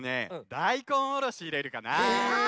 だいこんおろしいれるかなあ。